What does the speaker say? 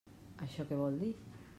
Això què vol dir?